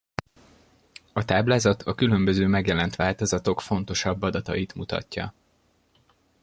A táblázat a különböző megjelent változatok fontosabb adatait mutatja.